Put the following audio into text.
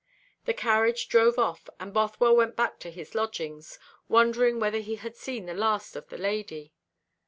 The carriage drove off, and Bothwell went back to his lodgings, wondering whether he had seen the last of the lady.